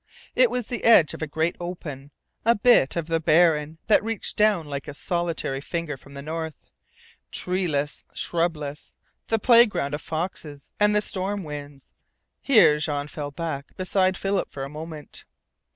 It was the edge of a great open, a bit of the Barren that reached down like a solitary finger from the North: treeless, shrubless, the playground of the foxes and the storm winds. Here Jean fell back beside Philip for a moment.